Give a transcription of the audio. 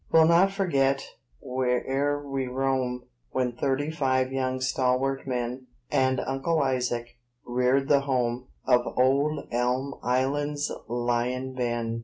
We'll not forget, where'er we roam, When thirty five young stalwart men, And Uncle Isaac, reared the home Of old Elm Island's Lion Ben.